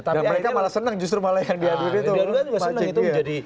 dan mereka malah senang justru malah yang diadu itu